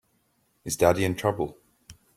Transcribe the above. Is Daddy in trouble?